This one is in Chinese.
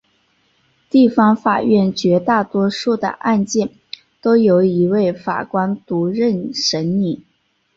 地方法院绝大多数的案件都由一位法官独任审理。